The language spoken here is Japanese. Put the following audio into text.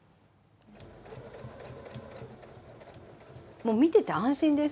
もう見てて安心です。